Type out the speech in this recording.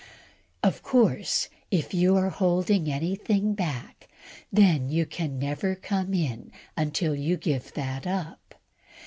Of course, if you are holding anything back, then you can never come in until you give that up.